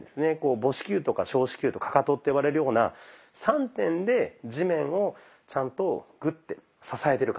母指球とか小指球とかかとって呼ばれるような３点で地面をちゃんとグッて支えてる感じです。